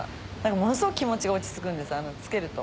ものすごく気持ちが落ち着くんです着けると。